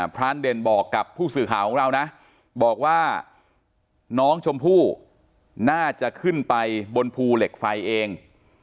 พรานเด่นบอกกับผู้สื่อข่าวของเรานะบอกว่าน้องชมพู่น่าจะขึ้นไปบนภูเหล็กไฟเอง